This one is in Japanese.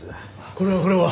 これはこれは。